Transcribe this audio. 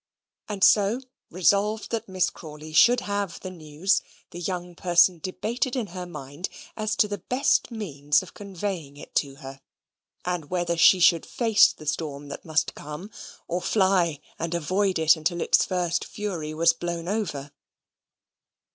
And so, resolved that Miss Crawley should have the news, the young person debated in her mind as to the best means of conveying it to her; and whether she should face the storm that must come, or fly and avoid it until its first fury was blown over.